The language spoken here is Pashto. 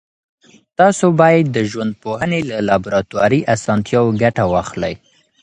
تاسو باید د ژوندپوهنې له لابراتواري اسانتیاوو ګټه واخلئ.